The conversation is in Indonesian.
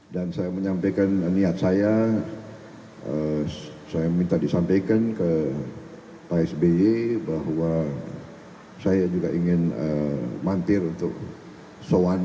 dan saya menyampaikan niat saya saya minta disampaikan ke pak sbi bahwa saya juga ingin mantir untuk soan